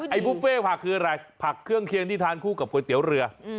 บุฟเฟ่ผักคืออะไรผักเครื่องเคียงที่ทานคู่กับก๋วยเตี๋ยวเรือ